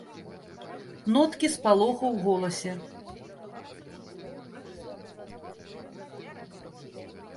Ноткі спалоху ў голасе.